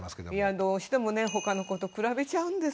どうしてもねほかの子と比べちゃうんですよ。